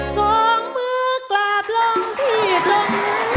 ส่งมือกลับลงที่ตรงหวาน